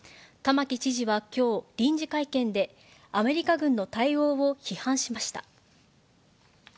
玉城知事はきょう、臨時会見で、アメリカ軍の対応を批判しました。